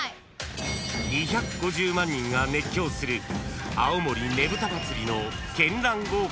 ［２５０万人が熱狂する青森ねぶた祭の］